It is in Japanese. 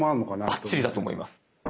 ばっちりだと思います。